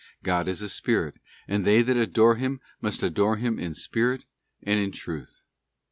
God is a spirit, and they that adore Him must adore Him in spirit and in truth.